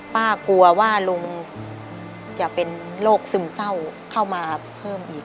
กลัวว่าลุงจะเป็นโรคซึมเศร้าเข้ามาเพิ่มอีก